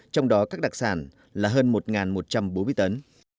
trong đó các đặc sản là hơn một một trăm bốn mươi tấn